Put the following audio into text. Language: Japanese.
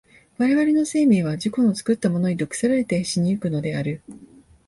我々の生命は自己の作ったものに毒せられて死に行くのである。